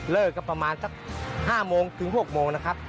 ประมาณสัก๕โมงถึง๖โมงนะครับ